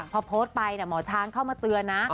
พอโพสต์ไปหมอช้างเข้ามาเตือนนะ